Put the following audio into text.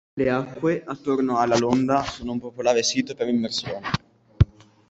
Le acque attorno a La Longa sono un popolare sito per immersioni.